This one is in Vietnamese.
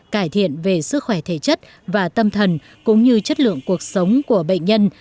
cải thiện về sức khỏe thể chất và tâm thần cũng như chất lượng cuộc sống của bệnh nhân